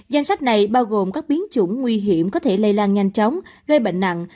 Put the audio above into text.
danh sách này bao gồm các biến chủng nguy hiểm có thể lây lan nhanh chóng gây bệnh nặng